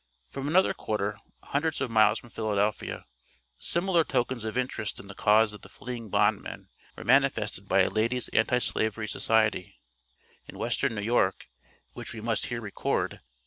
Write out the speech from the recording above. From another quarter, hundreds of miles from Philadelphia, similar tokens of interest in the cause of the fleeing bondmen were manifested by a Ladies' Anti slavery Society, in Western New York, which we must here record.